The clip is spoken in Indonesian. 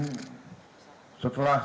setelah saya keliling